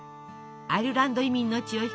アイルランド移民の血を引くディズニー